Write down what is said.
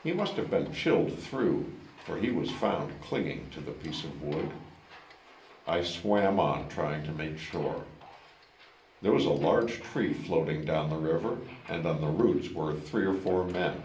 He must have been chilled through for he was found clinging to the piece of wood. I swam on trying to make shore. There was a large tree floating down the river and on the roots were three or four men.